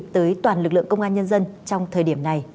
tới toàn lực lượng công an nhân dân trong thời điểm này